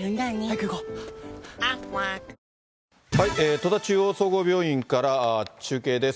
戸田中央総合病院から中継です。